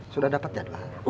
sudah dapat ya